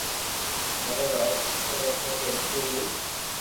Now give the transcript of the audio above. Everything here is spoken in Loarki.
گھري وائيين ايتو روتو ڪي اسڪول ري